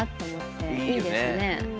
いいですね。